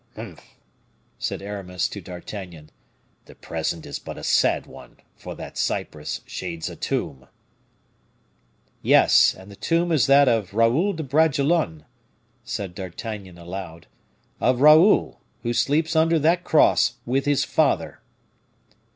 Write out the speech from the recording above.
"Humph!" said Aramis to D'Artagnan; "the present is but a sad one, for that cypress shades a tomb." "Yes, and the tomb is that of Raoul de Bragelonne," said D'Artagnan aloud; "of Raoul, who sleeps under that cross with his father."